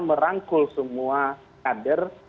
merangkul semua kader